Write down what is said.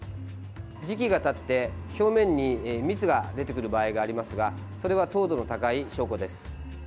時期がたって、表面に蜜が出てくる場合がありますがそれは糖度の高い証拠です。